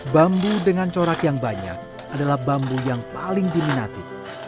bambu dengan corak yang banyak adalah bambu yang paling diminati